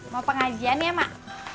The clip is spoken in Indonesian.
mau pengajian ya mak